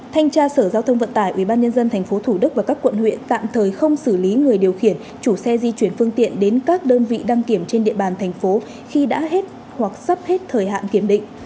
thanh tra sở giao thông vận tải ubnd tp thủ đức và các quận huyện tạm thời không xử lý người điều khiển chủ xe di chuyển phương tiện đến các đơn vị đăng kiểm trên địa bàn thành phố khi đã hết hoặc sắp hết thời hạn kiểm định